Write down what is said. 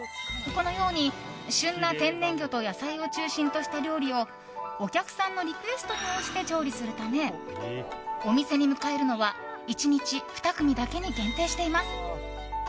このように旬な天然魚と野菜を中心とした料理をお客さんのリクエストに応じて調理するためお店に迎えるのは１日２組だけに限定しています。